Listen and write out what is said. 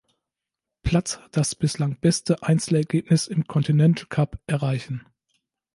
Platz das bislang beste Einzelergebnis im Continental Cup erreichen.